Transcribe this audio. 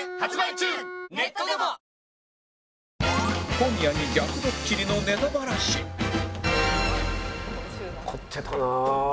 小宮に逆ドッキリのネタバラシ怒ってたな。